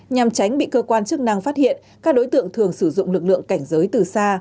nhằm tránh bị cơ quan chức năng phát hiện các đối tượng thường sử dụng lực lượng cảnh giới từ xa